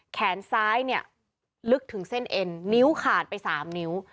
แขนซ้ายเนี่ยลึกถึงเส้นเอ็นนิ้วขาดไป๓นิ้ว